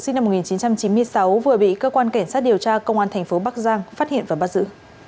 sinh năm một nghìn chín trăm chín mươi sáu vừa bị cơ quan cảnh sát điều tra công an thành phố bắc giang phát hiện và bắt giữ